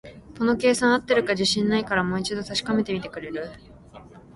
この計算、合ってるか自信ないから、もう一度確かめてみてくれる？